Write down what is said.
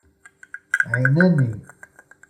ɛinani.